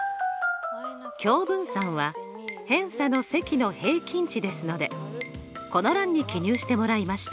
共分散は偏差の積の平均値ですのでこの欄に記入してもらいました。